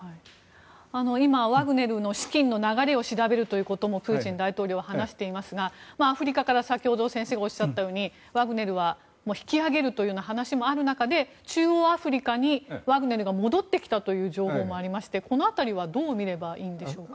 今、ワグネルの資金の流れを調べるということもプーチン大統領は話していますがアフリカから先ほど先生がおっしゃったようにワグネルは引き揚げるという話もある中で中央アフリカにワグネルが戻ってきたという情報もありましてこの辺りはどう見ればいいんでしょうか？